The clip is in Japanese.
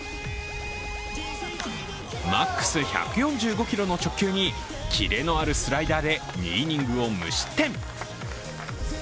マックス１４５キロの直球にキレのあるスライダーで２イニングを無失点。